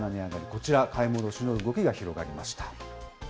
こちら、買い戻しの動きが広がりました。